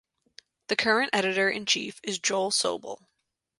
The current editor-in-chief is Joel Sobel.